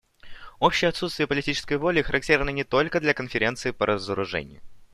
Общее отсутствие политической воли характерно не только для Конференции по разоружению.